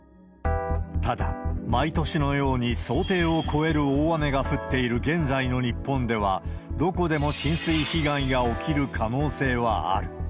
ただ、毎年のように想定を超える大雨が降っている現在の日本では、どこでも浸水被害が起きる可能性はある。